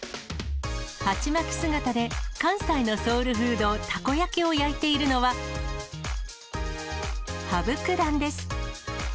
鉢巻き姿で関西のソウルフード、たこ焼きを焼いているのは、羽生九段です。